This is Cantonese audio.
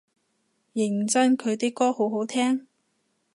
認真佢啲歌好好聽？